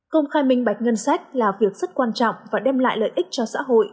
công khai minh bạch ngân sách là việc rất quan trọng và đem lại lợi ích cho xã hội